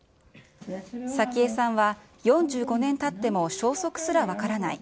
早紀江さんは、４５年たっても消息すら分からない。